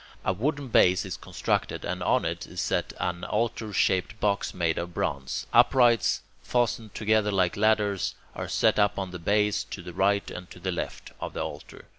A wooden base is constructed, and on it is set an altar shaped box made of bronze. Uprights, fastened together like ladders, are set up on the base, to the right and to the left (of the altar).